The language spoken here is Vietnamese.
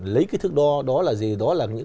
lấy cái thức đo đó là gì đó là những